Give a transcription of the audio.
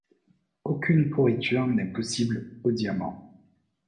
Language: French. Aucune pourriture n’est possible au diamant.